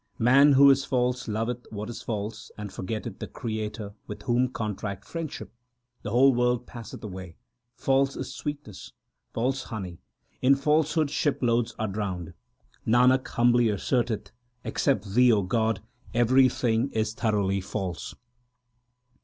Man who is false loveth what is false, and forgetteth the Creator. With whom contract friendship ? The whole world passeth away. False is sweetness ; false honey ; in falsehood shiploads are drowned. Nanak humbly asserteth except Thee, O God, everything is thoroughly false.